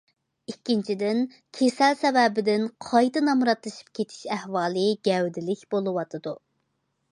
ئىككىنچىدىن، كېسەل سەۋەبىدىن قايتا نامراتلىشىپ كېتىش ئەھۋالى گەۋدىلىك بولۇۋاتىدۇ.